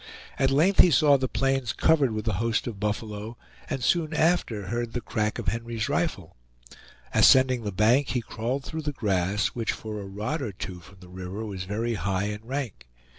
At length he saw the plains covered with the host of buffalo, and soon after heard the crack of Henry's rifle. Ascending the bank, he crawled through the grass, which for a rod or two from the river was very high and rank.